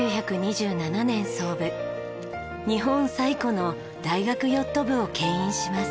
日本最古の大学ヨット部をけん引します。